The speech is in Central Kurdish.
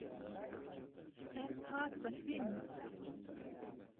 سەر پاک به خوێن نوسراوه